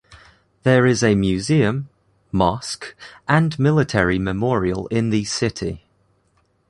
There is a museum, mosque and military memorial in the city.